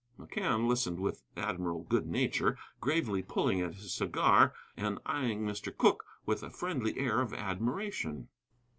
McCann listened with admirable good nature, gravely pulling at his cigar, and eyeing Mr. Cooke with a friendly air of admiration.